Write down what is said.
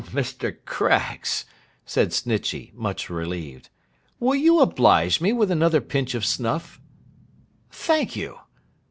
'Mr. Craggs,' said Snitchey, much relieved, 'will you oblige me with another pinch of snuff? Thank you!